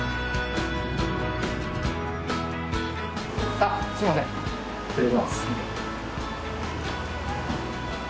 あっすいません失礼します。